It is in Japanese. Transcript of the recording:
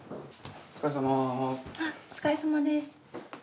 お疲れさまです。